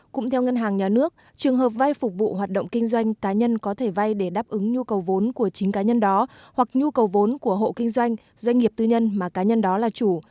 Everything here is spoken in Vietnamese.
cũng theo ngân hàng nhà nước trường hợp vay phục vụ hoạt động kinh doanh cá nhân có thể vay để đáp ứng nhu cầu vốn của chính cá nhân đó hoặc nhu cầu vốn của hộ kinh doanh doanh nghiệp tư nhân mà cá nhân đó là chủ